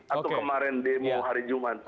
atau kemarin demo hari jumat